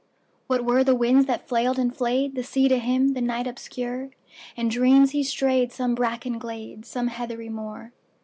What were the winds that flailed and flayedThe sea to him, the night obscure? In dreams he strayed some brackened glade, Some heathery moor.